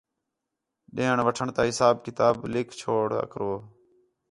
ݙیݨ وَٹھݨ تا حساب کتاب لِکھ چھوڑا کرو